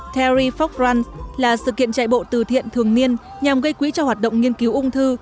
theory fox france là sự kiện chạy bộ từ thiện thường niên nhằm gây quỹ cho hoạt động nghiên cứu ung thư